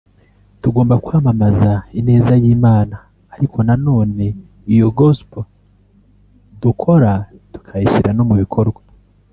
tugomba kwamamaza ineza y’Imana ariko na none iyo ‘gospel’ dukora tukayishyira no mu bikorwa